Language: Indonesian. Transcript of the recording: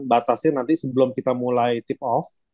batasnya nanti sebelum kita mulai tip off